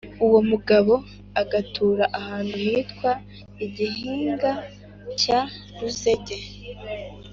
uwomugabo agatura ahantu hitwa i Gihinga cya Ruzege